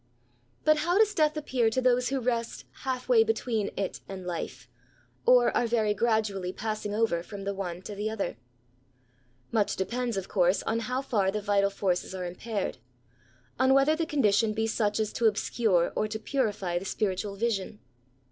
But how does death appear to those who rest half way between it and life, or are very gradually passing over from the one to the other ? Much depends, of course, on how far the vital forces are impaired— on whether the condition be such as to obscure or to purify the spiritual vision.